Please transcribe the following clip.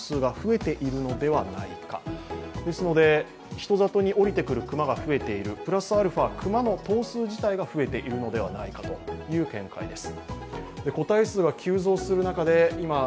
人里に下りてくる熊が増えている、熊の頭数自体が増えているのではないかという見解です。